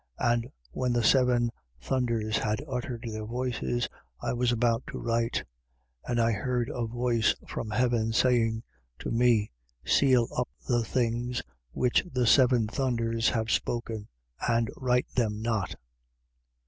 10:4. And when the seven thunders had uttered their voices, I was about to write. And I heard a voice from heaven saying to me: Seal up the things which the seven thunders have spoken. And write them not.